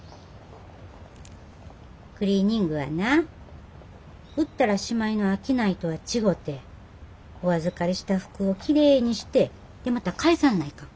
クリーニングはな売ったらしまいの商いとは違うてお預かりした服をきれいにしてでまた返さんないかん。